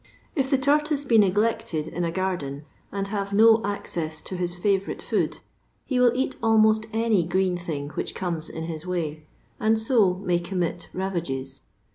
If the tortoise be neglected in a garden, and have no access to his fiivourite food, he will eat almost any green thing which comes in his way, and so may commit ravages.